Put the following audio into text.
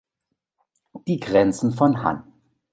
Die Grenzen von Hann.